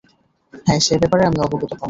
হ্যাঁ, সে ব্যাপারে আমি অবগত, কনরেড।